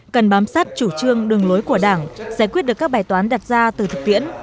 cần bám sát chủ trương đường lối của đảng giải quyết được các bài toán đặt ra từ thực tiễn